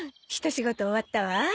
仕事終わったわ。